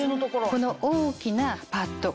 この大きなパッド